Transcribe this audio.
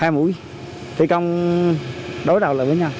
hai mũi thị công đối đảo lại với nhau